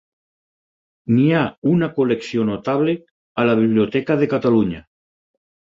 N'hi ha una col·lecció notable a la Biblioteca de Catalunya.